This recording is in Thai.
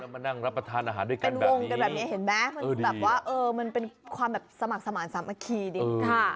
มานั่งรับประทานอาหารด้วยกันแบบนี้เออดีจังมันเป็นความสมัครสามัคคีดิค่ะ